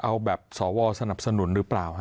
เอาแบบสวสนับสนุนหรือเปล่า